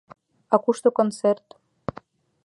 — А кушто концерт?